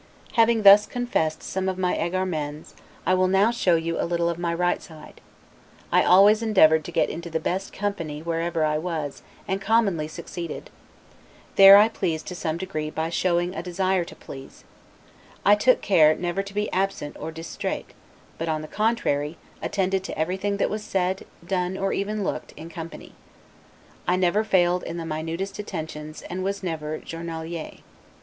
Having thus confessed some of my 'egaremens', I will now show you a little of my right side. I always endeavored to get into the best company wherever I was, and commonly succeeded. There I pleased to some degree by showing a desire to please. I took care never to be absent or 'distrait'; but on the contrary, attended to everything that was said, done, or even looked, in company; I never failed in the minutest attentions and was never 'journalier'.